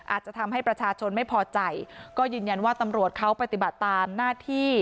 อาจจะทำให้ประชาชนไม่พอใจก็ยืนยันว่าตำรวจเขาปฏิบัติตามหน้าที่